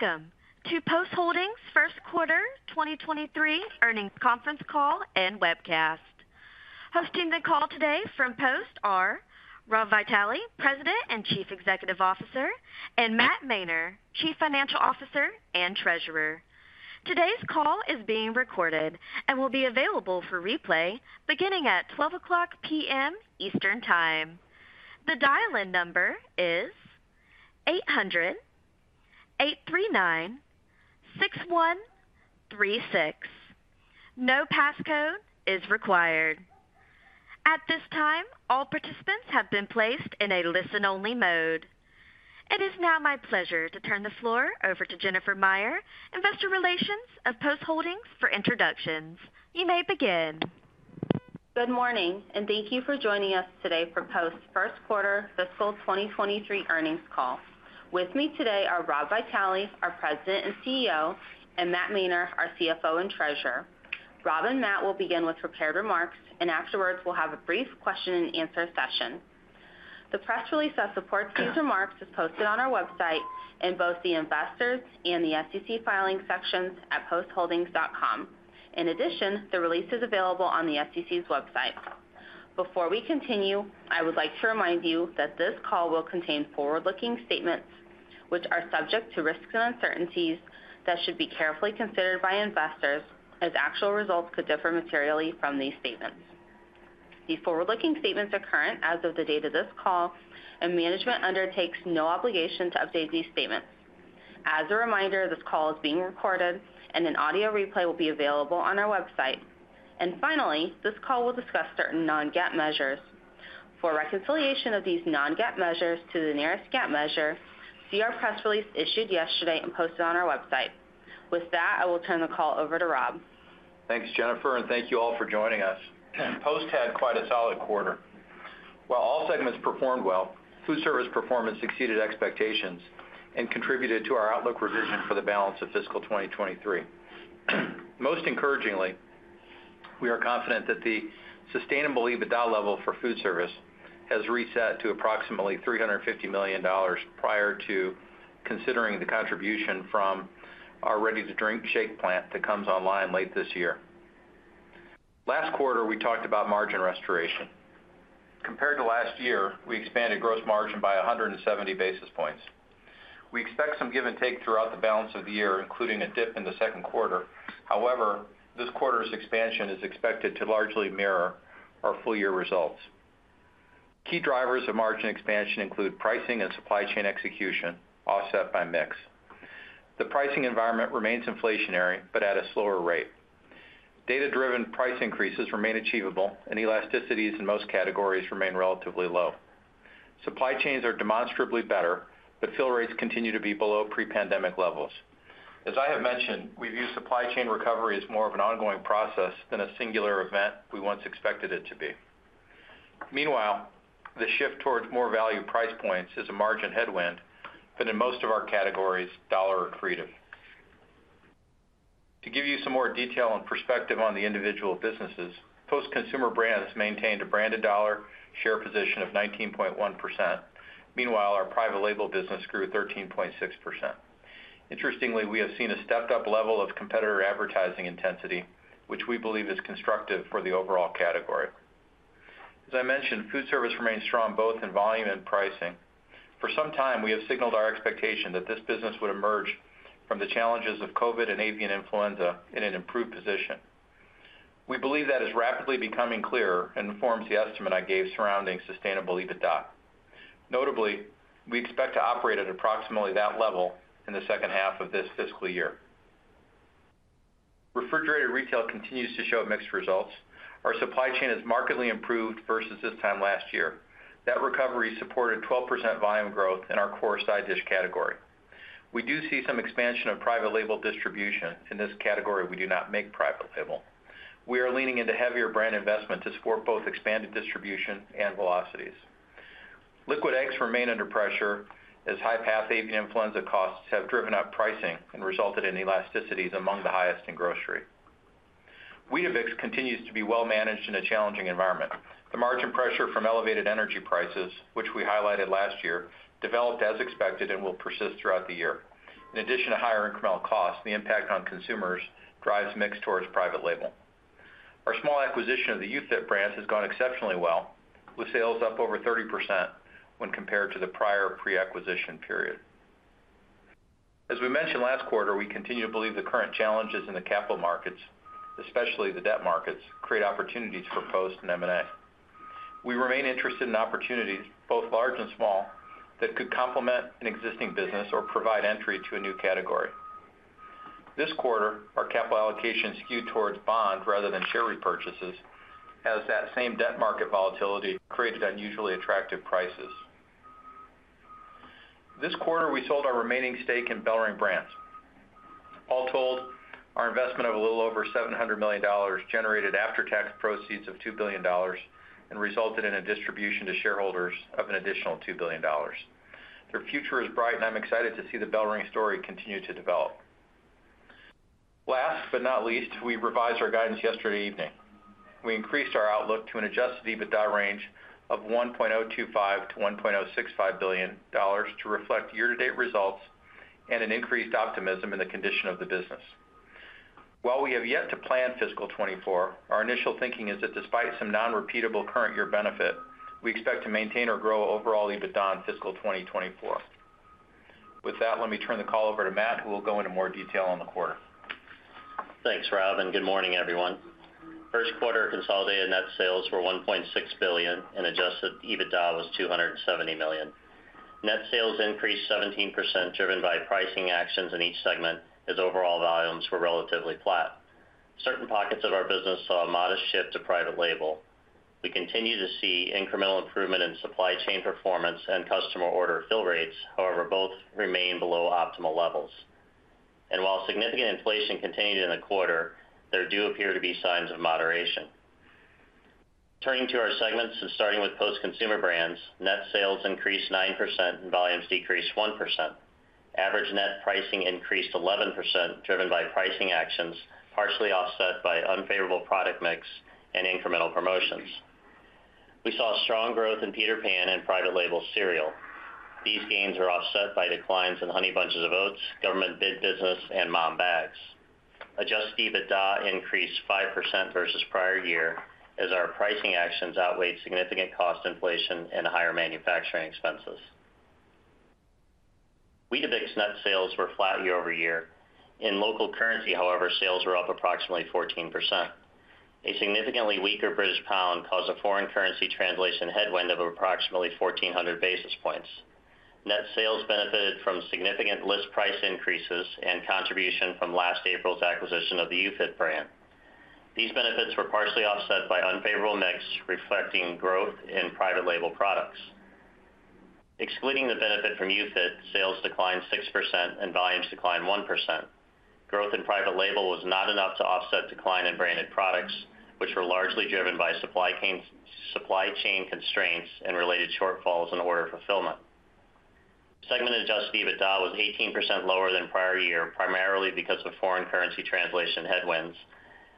Welcome to Post Holdings first quarter 2023 earnings conference call and webcast. Hosting the call today from Post are Rob Vitale, President and Chief Executive Officer, and Matt Mainer, Chief Financial Officer and Treasurer. Today's call is being recorded and will be available for replay beginning at 12:00 P.M. Eastern Time. The dial-in number is 800-839-6136. No passcode is required. At this time, all participants have been placed in a listen-only mode. It is now my pleasure to turn the floor over to Jennifer Meyer, Investor Relations of Post Holdings for introductions. You may begin. Good morning, and thank you for joining us today for Post first quarter fiscal 2023 earnings call. With me today are Rob Vitale, our President and CEO, and Matt Mainer, our CFO and Treasurer. Rob and Matt will begin with prepared remarks, and afterwards we'll have a brief question-and-answer session. The press release that supports these remarks is posted on our website in both the Investors and the SEC Filings sections at postholdings.com. In addition, the release is available on the SEC's website. Before we continue, I would like to remind you that this call will contain forward-looking statements which are subject to risks and uncertainties that should be carefully considered by investors as actual results could differ materially from these statements. These forward-looking statements are current as of the date of this call, and management undertakes no obligation to update these statements. As a reminder, this call is being recorded and an audio replay will be available on our website. Finally, this call will discuss certain non-GAAP measures. For reconciliation of these non-GAAP measures to the nearest GAAP measure, see our press release issued yesterday and posted on our website. With that, I will turn the call over to Rob. Thanks, Jennifer. Thank you all for joining us. Post had quite a solid quarter. While all segments performed well, food service performance exceeded expectations and contributed to our outlook revision for the balance of fiscal 2023. Most encouragingly, we are confident that the sustainable EBITDA level for food service has reset to approximately $350 million prior to considering the contribution from our ready-to-drink shake plant that comes online late this year. Last quarter, we talked about margin restoration. Compared to last year, we expanded gross margin by 170 basis points. We expect some give and take throughout the balance of the year, including a dip in the second quarter. This quarter's expansion is expected to largely mirror our full year results. Key drivers of margin expansion include pricing and supply chain execution, offset by mix. The pricing environment remains inflationary, but at a slower rate. Data-driven price increases remain achievable and elasticities in most categories remain relatively low. Supply chains are demonstrably better, but fill rates continue to be below pre-pandemic levels. As I have mentioned, we view supply chain recovery as more of an ongoing process than a singular event we once expected it to be. The shift towards more value price points is a margin headwind, but in most of our categories, dollar accretive. To give you some more detail and perspective on the individual businesses, Post Consumer Brands maintained a branded dollar share position of 19.1%. Our private label business grew 13.6%. Interestingly, we have seen a stepped up level of competitor advertising intensity, which we believe is constructive for the overall category. As I mentioned, food service remains strong both in volume and pricing. For some time, we have signaled our expectation that this business would emerge from the challenges of COVID and avian influenza in an improved position. We believe that is rapidly becoming clearer and informs the estimate I gave surrounding sustainable EBITDA. Notably, we expect to operate at approximately that level in the second half of this fiscal year. Refrigerated retail continues to show mixed results. Our supply chain has markedly improved versus this time last year. That recovery supported 12% volume growth in our core side dish category. We do see some expansion of private label distribution. In this category, we do not make private label. We are leaning into heavier brand investment to support both expanded distribution and velocities. Liquid eggs remain under pressure as Highly Pathogenic Avian Influenza costs have driven up pricing and resulted in elasticities among the highest in grocery. Weetabix continues to be well managed in a challenging environment. The margin pressure from elevated energy prices, which we highlighted last year, developed as expected and will persist throughout the year. In addition to higher incremental costs, the impact on consumers drives mix towards private label. Our small acquisition of the UFIT brands has gone exceptionally well, with sales up over 30% when compared to the prior pre-acquisition period. As we mentioned last quarter, we continue to believe the current challenges in the capital markets, especially the debt markets, create opportunities for Post and M&A. We remain interested in opportunities, both large and small, that could complement an existing business or provide entry to a new category. This quarter, our capital allocation skewed towards bond rather than share repurchases, as that same debt market volatility created unusually attractive prices. This quarter, we sold our remaining stake in BellRing Brands. All told, our investment of a little over $700 million generated after-tax proceeds of $2 billion and resulted in a distribution to shareholders of an additional $2 billion. Their future is bright, and I'm excited to see the BellRing story continue to develop. Last but not least, we revised our guidance yesterday evening. We increased our outlook to an Adjusted EBITDA range of $1.025 billion-$1.065 billion to reflect year-to-date results and an increased optimism in the condition of the business. While we have yet to plan fiscal 2024, our initial thinking is that despite some non-repeatable current year benefit, we expect to maintain or grow overall EBITDA in fiscal 2024. With that, let me turn the call over to Matt, who will go into more detail on the quarter. Thanks, Rob, good morning, everyone. First quarter consolidated net sales were $1.6 billion and Adjusted EBITDA was $270 million. Net sales increased 17% driven by pricing actions in each segment as overall volumes were relatively flat. Certain pockets of our business saw a modest shift to private label. We continue to see incremental improvement in supply chain performance and customer order fill rates, however, both remain below optimal levels. While significant inflation continued in the quarter, there do appear to be signs of moderation. Turning to our segments and starting with Post Consumer Brands, net sales increased 9% and volumes decreased 1%. Average net pricing increased 11%, driven by pricing actions, partially offset by unfavorable product mix and incremental promotions. We saw strong growth in Peter Pan and private label cereal. These gains were offset by declines in Honey Bunches of Oats, government bid business, and Malt-O-Meal bags. Adjusted EBITDA increased 5% versus prior year as our pricing actions outweighed significant cost inflation and higher manufacturing expenses. Weetabix net sales were flat year-over-year. Local currency, however, sales were up approximately 14%. Significantly weaker British pound caused a foreign currency translation headwind of approximately 1,400 basis points. Net sales benefited from significant list price increases and contribution from last April's acquisition of the UFIT brand. These benefits were partially offset by unfavorable mix, reflecting growth in private label products. Excluding the benefit from UFIT, sales declined 6% and volumes declined 1%. Growth in private label was not enough to offset decline in branded products, which were largely driven by supply chain constraints and related shortfalls in order fulfillment. Segment Adjusted EBITDA was 18% lower than prior year, primarily because of foreign currency translation headwinds.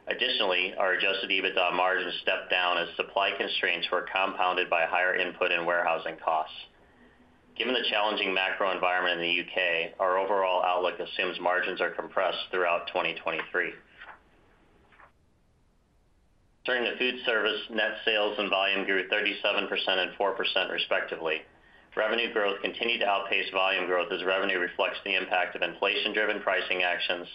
Additionally, our Adjusted EBITDA margin stepped down as supply constraints were compounded by higher input and warehousing costs. Given the challenging macro environment in the U.K., our overall outlook assumes margins are compressed throughout 2023. During the food service, net sales and volume grew 37% and 4% respectively. Revenue growth continued to outpace volume growth as revenue reflects the impact of inflation-driven pricing actions,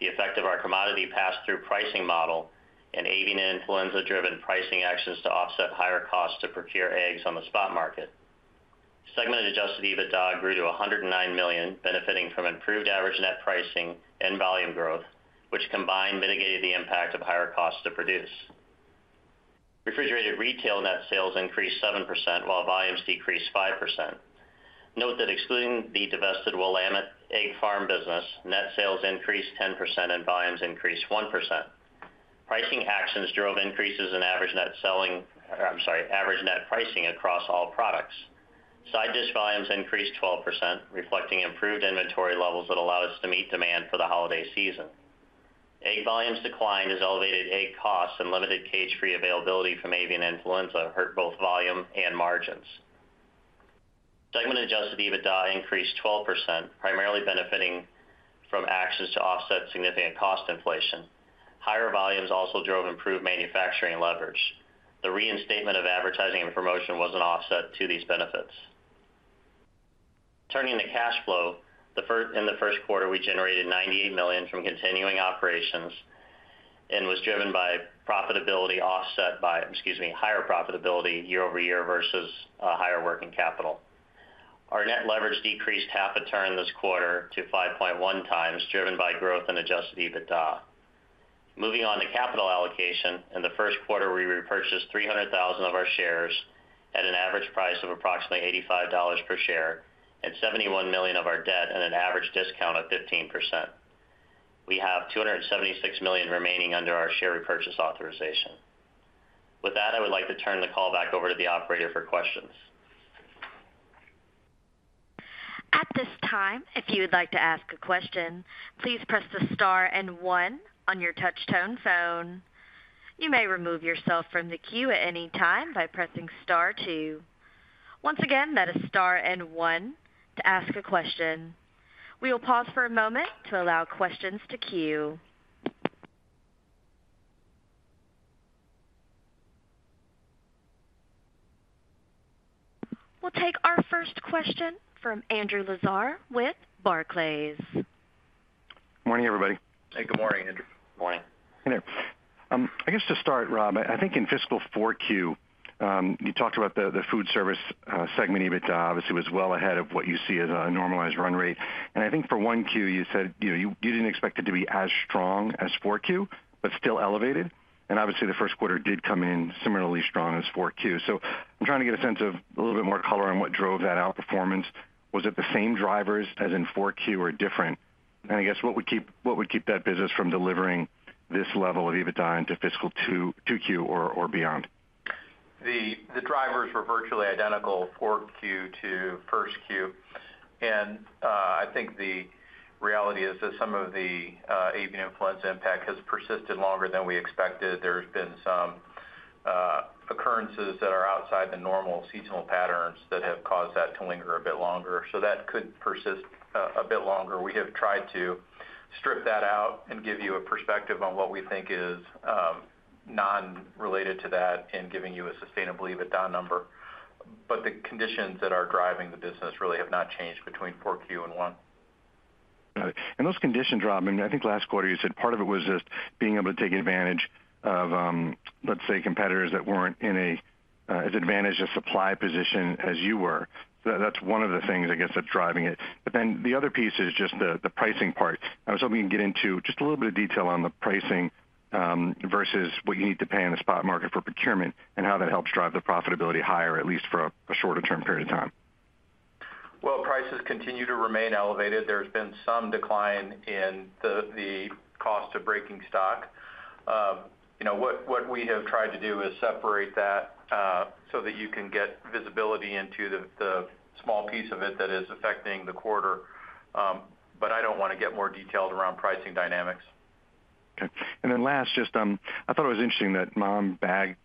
the effect of our commodity pass-through pricing model, and avian influenza-driven pricing actions to offset higher costs to procure eggs on the spot market. Segmented Adjusted EBITDA grew to $109 million, benefiting from improved average net pricing and volume growth, which combined mitigated the impact of higher costs to produce. Refrigerated retail net sales increased 7%, while volumes decreased 5%. Note that excluding the divested Willamette Egg Farms business, net sales increased 10% and volumes increased 1%. Pricing actions drove increases in average net selling, I'm sorry, average net pricing across all products. Side dish volumes increased 12%, reflecting improved inventory levels that allow us to meet demand for the holiday season. Egg volumes declined as elevated egg costs and limited cage-free availability from avian influenza hurt both volume and margins. Segmented Adjusted EBITDA increased 12%, primarily benefiting from actions to offset significant cost inflation. Higher volumes also drove improved manufacturing leverage. The reinstatement of advertising and promotion was an offset to these benefits. Turning to cash flow, in the first quarter, we generated $98 million from continuing operations and was driven by profitability offset by, excuse me, higher profitability year-over-year versus higher working capital. Our net leverage decreased half a turn this quarter to 5.1x, driven by growth and Adjusted EBITDA. Moving on to capital allocation, in the first quarter, we repurchased 300,000 of our shares at an average price of approximately $85 per share and $71 million of our debt at an average discount of 15%. We have $276 million remaining under our share repurchase authorization. With that, I would like to turn the call back over to the operator for questions. At this time, if you would like to ask a question, please press the star and one on your touch-tone phone. You may remove yourself from the queue at any time by pressing star two. Once again, that is star and one to ask a question. We will pause for a moment to allow questions to queue. We'll take our first question from Andrew Lazar with Barclays. Morning, everybody. Good morning, Andrew. Morning. Hey there. I guess to start, Rob, I think in fiscal 4Q, you talked about the food service segment EBITDA, obviously, was well ahead of what you see as a normalized run rate. I think for 1Q, you said, you know, you didn't expect it to be as strong as 4Q, but still elevated. Obviously, the first quarter did come in similarly strong as 4Q. I'm trying to get a sense of a little bit more color on what drove that outperformance. Was it the same drivers as in 4Q or different? I guess what would keep that business from delivering this level of EBITDA into fiscal 2Q or beyond? The drivers were virtually identical fourth Q to first Q. I think the reality is that some of the avian influenza impact has persisted longer than we expected. There's been some occurrences that are outside the normal seasonal patterns that have caused that to linger a bit longer. That could persist a bit longer. We have tried to strip that out and give you a perspective on what we think is non-related to that and giving you a sustainable EBITDA number. The conditions that are driving the business really have not changed between four Q and one. All right. Those conditions, Rob, I think last quarter you said part of it was just being able to take advantage of, let's say, competitors that weren't in as advantaged a supply position as you were. That's one of the things, I guess, that's driving it. The other piece is just the pricing part. I was hoping you can get into just a little bit of detail on the pricing versus what you need to pay in the spot market for procurement and how that helps drive the profitability higher, at least for a shorter-term period of time. Well, prices continue to remain elevated. There's been some decline in the cost of breaking stock. You know, what we have tried to do is separate that, so that you can get visibility into the small piece of it that is affecting the quarter. I don't wanna get more detailed around pricing dynamics. Last, just, I thought it was interesting that Malt-O-Meal bag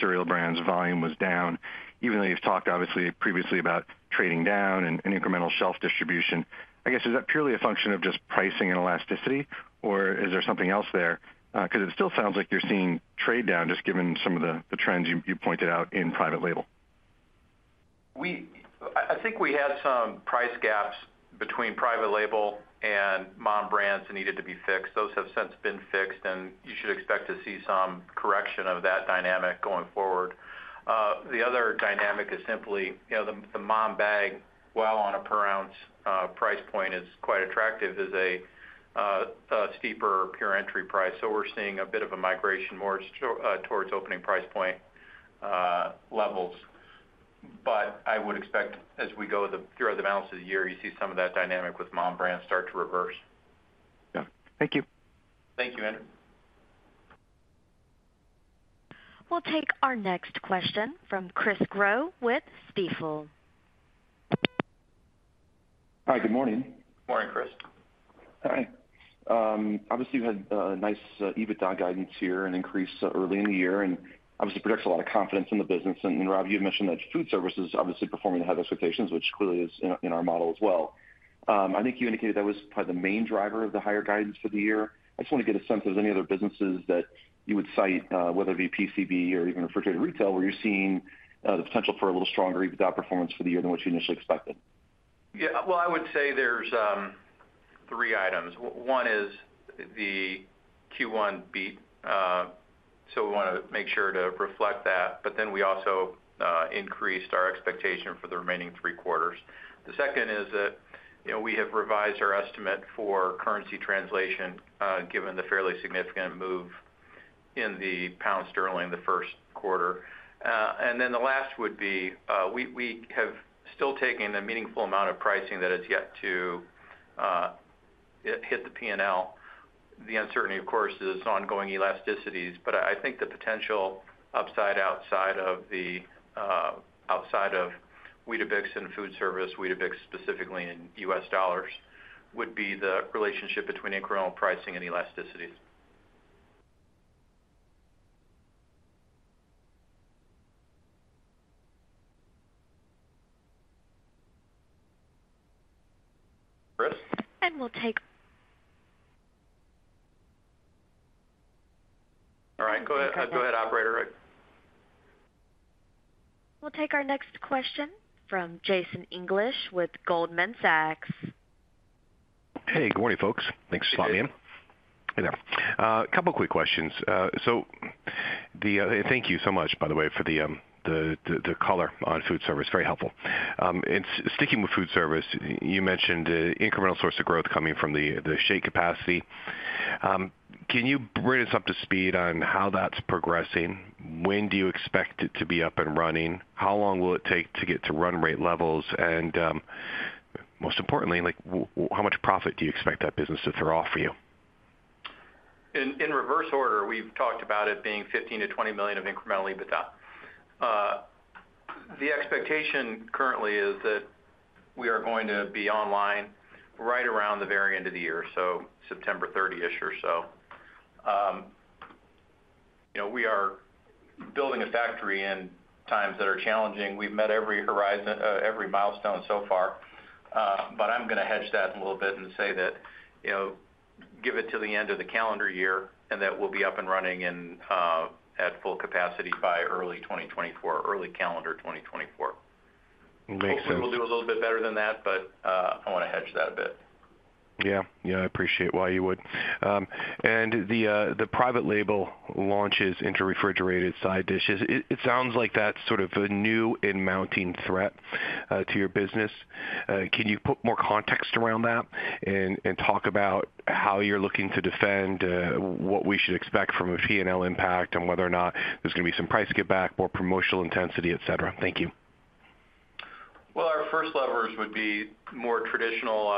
cereal brands volume was down, even though you've talked obviously previously about trading down and incremental shelf distribution. Is that purely a function of just pricing and elasticity, or is there something else there? Because it still sounds like you're seeing trade down, just given some of the trends you pointed out in private label. I think we had some price gaps between private label and Mom brands that needed to be fixed. Those have since been fixed, you should expect to see some correction of that dynamic going forward. The other dynamic is simply, you know, the Mom bag, while on a per ounce price point is quite attractive, is a steeper pure entry price. We're seeing a bit of a migration towards opening price point levels. I would expect as we go through the balance of the year, you see some of that dynamic with Mom brands start to reverse. Yeah. Thank you. Thank you, Andrew. We'll take our next question from Chris Growe with Stifel. Hi. Good morning. Morning, Chris. Hi. Obviously, you had a nice EBITDA guidance here and increase early in the year, and obviously projects a lot of confidence in the business. Rob, you had mentioned that food service is obviously performing ahead of expectations, which clearly is in our model as well. I think you indicated that was probably the main driver of the higher guidance for the year. I just wanna get a sense of any other businesses that you would cite, whether it be PCB or even refrigerated retail, where you're seeing the potential for a little stronger EBITDA performance for the year than what you initially expected. Well, I would say there's three items. One is the Q1 beat. We wanna make sure to reflect that, but then we also increased our expectation for the remaining three quarters. The second is that, you know, we have revised our estimate for currency translation given the fairly significant move in the pound sterling in the first quarter. The last would be, we have still taken a meaningful amount of pricing that has yet to hit the P&L. The uncertainty, of course, is ongoing elasticities, but I think the potential upside outside of the outside of Weetabix and food service, Weetabix specifically in US dollars, would be the relationship between incremental pricing and elasticities. Chris? We'll. All right. Go ahead, go ahead, operator. We'll take our next question from Jason English with Goldman Sachs. Hey, good morning, folks. Thanks for letting me in. Good morning. A couple quick questions. Thank you so much, by the way, for the color on food service. Very helpful. Sticking with food service, you mentioned the incremental source of growth coming from the shake capacity. Can you bring us up to speed on how that's progressing? When do you expect it to be up and running? How long will it take to get to run rate levels? Most importantly, like how much profit do you expect that business to throw off for you? In reverse order, we've talked about it being $15 million-$20 million of incremental EBITDA. The expectation currently is that we are going to be online right around the very end of the year, so September 30th-ish or so. You know, we are building a factory in times that are challenging. We've met every milestone so far. I'm gonna hedge that a little bit and say that, you know, give it till the end of the calendar year, and that we'll be up and running and at full capacity by early 2024, early calendar 2024. Makes sense. Hopefully, we'll do a little bit better than that, but I wanna hedge that a bit. Yeah. Yeah, I appreciate why you would. and the private label launches into refrigerated side dishes, it sounds like that's sort of a new and mounting threat to your business. can you put more context around that and talk about how you're looking to defend, what we should expect from a P&L impact and whether or not there's gonna be some price giveback, more promotional intensity, et cetera. Thank you. Well, our first levers would be more traditional,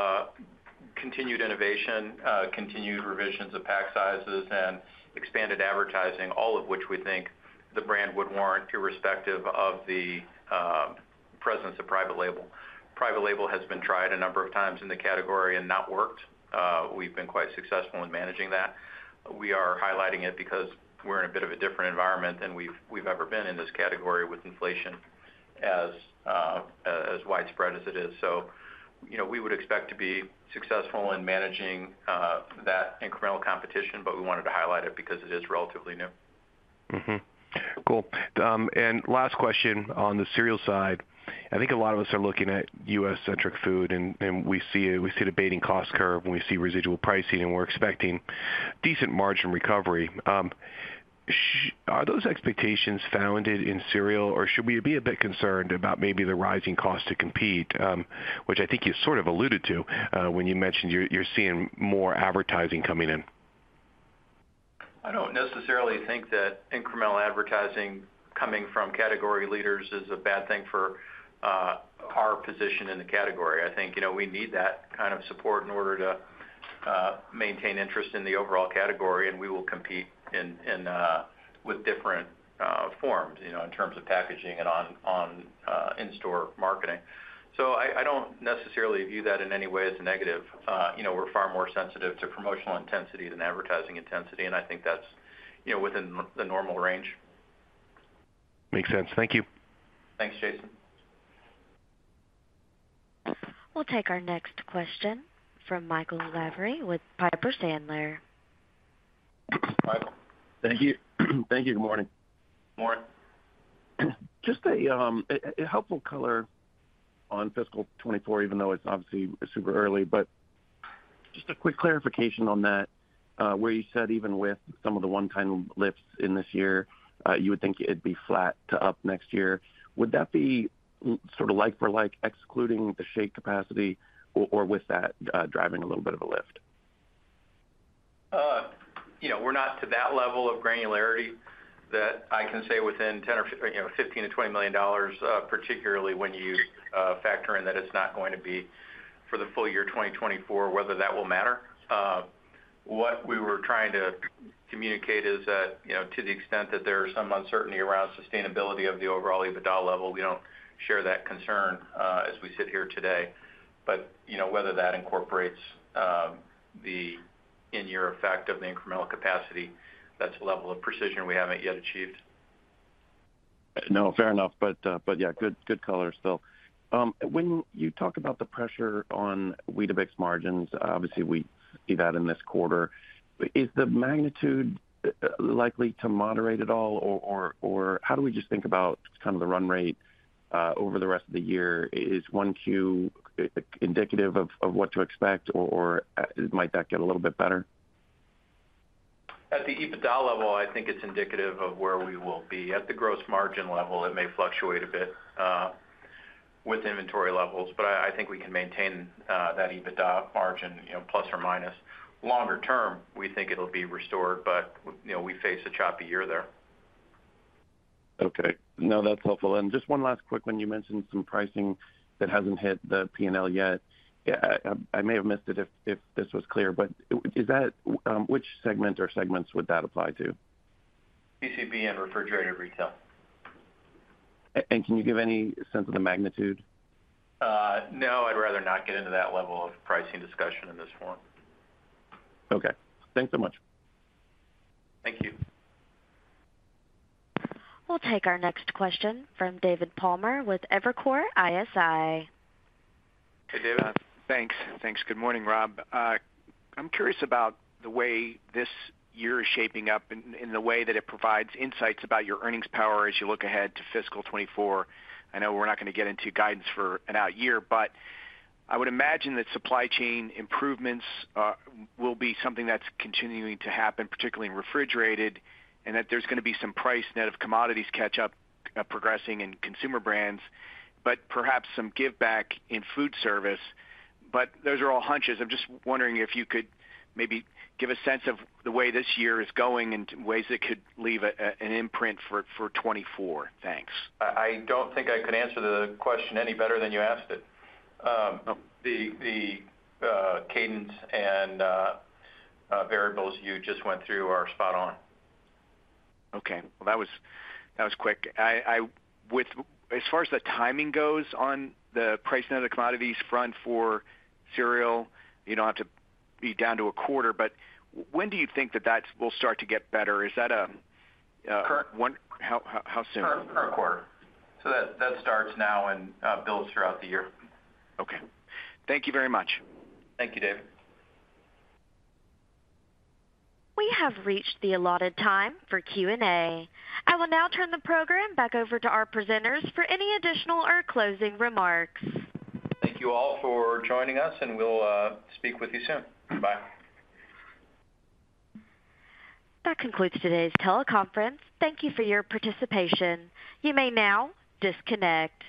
continued innovation, continued revisions of pack sizes and expanded advertising, all of which we think the brand would warrant irrespective of the presence of private label. Private label has been tried a number of times in the category and not worked. We've been quite successful in managing that. We are highlighting it because we're in a bit of a different environment than we've ever been in this category with inflation as widespread as it is. You know, we would expect to be successful in managing that incremental competition, but we wanted to highlight it because it is relatively new. Cool. Last question on the cereal side. I think a lot of us are looking at U.S.-centric food, and we see the baiting cost curve, and we see residual pricing, and we're expecting decent margin recovery. Are those expectations founded in cereal, or should we be a bit concerned about maybe the rising cost to compete? Which I think you sort of alluded to when you mentioned you're seeing more advertising coming in. I don't necessarily think that incremental advertising coming from category leaders is a bad thing for our position in the category. I think, you know, we need that kind of support in order to maintain interest in the overall category, and we will compete in with different forms, you know, in terms of packaging and on in-store marketing. I don't necessarily view that in any way as a negative. you know, we're far more sensitive to promotional intensity than advertising intensity, and I think that's, you know, within the normal range. Makes sense. Thank you. Thanks, Jason. We'll take our next question from Michael Lavery with Piper Sandler. Michael. Thank you. Thank you. Good morning. Morning. Just a helpful color on fiscal 2024, even though it's obviously super early, but just a quick clarification on that, where you said even with some of the one-time lifts in this year, you would think it'd be flat to up next year. Would that be sort of like for like excluding the shake capacity or with that, driving a little bit of a lift? You know, we're not to that level of granularity that I can say within 10 or you know, $15 million-$20 million, particularly when you factor in that it's not going to be for the full year 2024, whether that will matter. What we were trying to communicate is that, you know, to the extent that there are some uncertainty around sustainability of the overall EBITDA level, we don't share that concern, as we sit here today. You know, whether that incorporates the in-year effect of the incremental capacity, that's the level of precision we haven't yet achieved. No, fair enough. But yeah, good color still. When you talk about the pressure on Weetabix margins, obviously, we see that in this quarter. Is the magnitude likely to moderate at all? How do we just think about kind of the run rate over the rest of the year? Is one Q indicative of what to expect, or might that get a little bit better? At the EBITDA level, I think it's indicative of where we will be. At the gross margin level, it may fluctuate a bit, with inventory levels, but I think we can maintain, that EBITDA margin, you know, plus or minus. Longer term, we think it'll be restored, but, you know, we face a choppy year there. Okay. No, that's helpful. Just one last quick one. You mentioned some pricing that hasn't hit the P&L yet. I may have missed it if this was clear, but is that which segment or segments would that apply to? BCB and refrigerated retail. Can you give any sense of the magnitude? No, I'd rather not get into that level of pricing discussion in this forum. Okay. Thanks so much. Thank you. We'll take our next question from David Palmer with Evercore ISI. Hey, David. Thanks. Good morning, Rob. I'm curious about the way this year is shaping up in the way that it provides insights about your earnings power as you look ahead to fiscal 2024. I know we're not gonna get into guidance for an out year, but I would imagine that supply chain improvements will be something that's continuing to happen, particularly in refrigerated, and that there's gonna be some price net of commodities catch up progressing in Consumer Brands, but perhaps some give back in food service. Those are all hunches. I'm just wondering if you could maybe give a sense of the way this year is going and ways it could leave an imprint for 2024. Thanks. I don't think I could answer the question any better than you asked it. The cadence and variables you just went through are spot on. Well, that was, that was quick. As far as the timing goes on the pricing of the commodities front for cereal, you don't have to be down to a quarter, but when do you think that that will start to get better? Is that. Current. How soon? Current quarter. That starts now and builds throughout the year. Okay. Thank you very much. Thank you, David. We have reached the allotted time for Q&A. I will now turn the program back over to our presenters for any additional or closing remarks. Thank you all for joining us, and we'll speak with you soon. Bye. That concludes today's teleconference. Thank you for your participation. You may now disconnect.